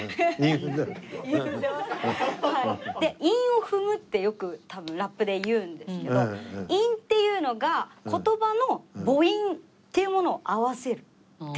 韻を踏むってよくラップで言うんですけど韻っていうのが言葉の母音っていうものを合わせるっていう事なんですね。